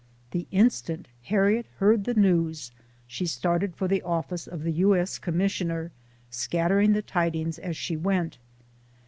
The instant Harriet heard the news, she started for the office of the U. S. Com missioner, scattering the tidings as she went.